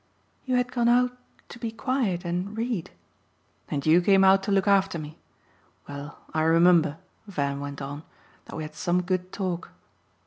"You had gone out to be quiet and read !" "And you came out to look after me. Well, I remember," Van went on, "that we had some good talk."